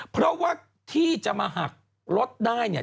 เพราะว่าที่จะมาหักรถได้เนี่ย